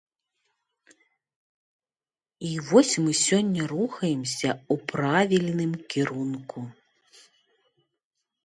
І вось мы сёння рухаемся ў правільным кірунку.